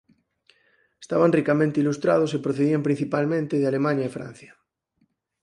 Estaban ricamente ilustrados e procedían principalmente de Alemaña e Francia.